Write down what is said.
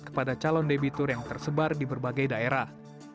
kepada calon debitur yang tersebar di berbagai daerah